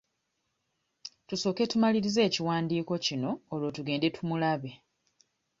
Tusooke tumalirize ekiwandiiko kino olwo tugende tumulabe.